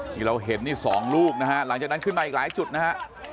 ที่เราเห็นนี่๒ลูกนะฮะหลังจากนั้นขึ้นมาอีกหลายจุดนะฮะ